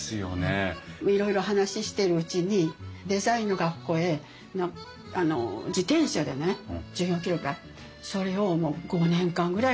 いろいろ話してるうちにデザインの学校へ自転車でね１４ｋｍぐらいそれをもう５年間ぐらい通ったって。